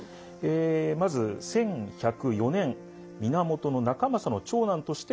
まず１１０４年源仲政の長男として誕生。